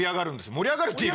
盛り上がるって言い方